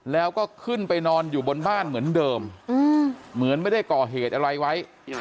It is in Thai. แล้วก็ขึ้นไปนอนอยู่บนบ้านเหมือนเดิมเหมือนไม่ได้ก่อเหตุอะไรไว้